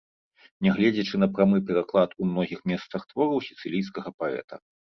Нягледзячы на прамы пераклад у многіх месцах твораў сіцылійскага паэта.